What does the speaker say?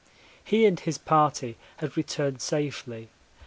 He and his party had returned safely.